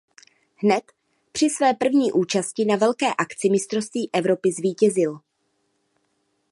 Hned při své první účasti na velké akci mistrovství Evropy zvítězil.